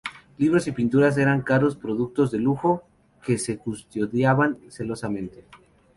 Libros y pinturas eran caros productos de lujo, que se custodiaban celosamente.